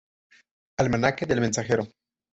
Almanaque del mensajero.